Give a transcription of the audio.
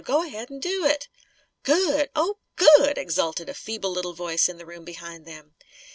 Go ahead and do it!" "Good! Oh, good!" exulted a feeble little voice in the room behind them.